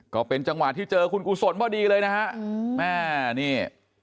ก็เป็นจังหวะที่เจอคุณกุศลพอดีเลยนะฮะแม่นี่